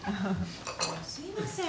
もうすいません。